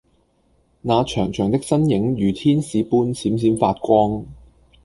那長長的身影如天使般閃閃發光